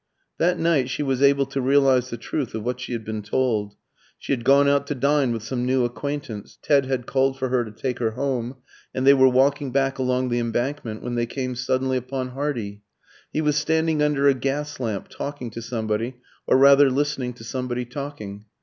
That night she was able to realise the truth of what she had been told. She had gone out to dine with some new acquaintance; Ted had called for her to take her home, and they were walking back along the Embankment, when they came suddenly upon Hardy. He was standing under a gas lamp, talking to somebody, or rather listening to somebody talking.